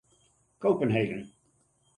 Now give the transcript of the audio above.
Copenhagen.